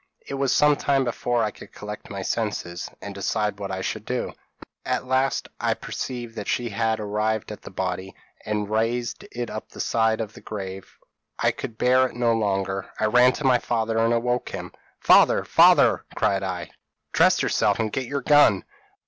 It was some time before I could collect my senses, and decide what I should do. At last I perceived that she had arrived at the body, and raised it up to the side of the grave. I could bear it no longer, I ran to my father and awoke him. "'Father, father!' cried I, 'dress yourself, and get your gun.'